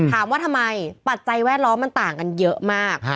ถามว่าทำไมปัจจัยแวดล้อมมันต่างกันเยอะมาก